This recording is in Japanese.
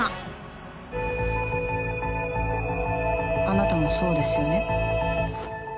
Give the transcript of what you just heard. あなたもそうですよね？